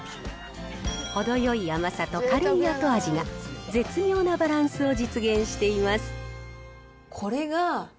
程よい甘さと軽い後味が絶妙なバランスを実現しています。